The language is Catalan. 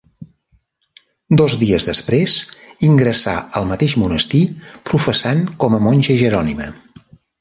Dos dies després ingressà al mateix monestir professant com a monja jerònima.